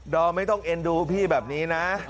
อมไม่ต้องเอ็นดูพี่แบบนี้นะ